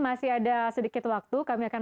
masih ada sedikit waktu kami akan